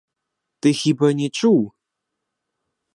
Ты хіба не чуў?